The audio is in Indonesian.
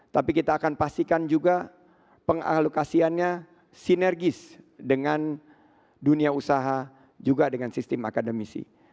tapi kita akan pastikan juga pengalokasiannya sinergis dengan dunia usaha juga dengan sistem akademisi